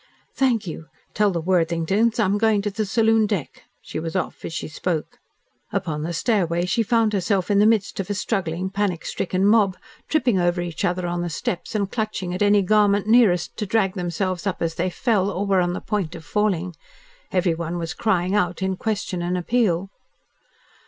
"Thank you. Tell the Worthingtons. I'm going to the saloon deck." She was off as she spoke. Upon the stairway she found herself in the midst of a struggling panic stricken mob, tripping over each other on the steps, and clutching at any garment nearest, to drag themselves up as they fell, or were on the point of falling. Everyone was crying out in question and appeal.